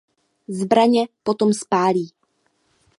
Zbraně potom spálí.